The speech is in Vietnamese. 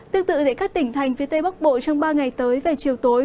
tương tự tại các tỉnh thành phía tây bắc bộ trong ba ngày tới về chiều tối